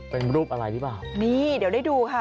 เป็นรูปอะไรดีป่าวนี่เดี๋ยวได้ดูค่ะ